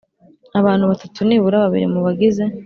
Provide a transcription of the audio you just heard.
abantu batatu Nibura babiri mu bagize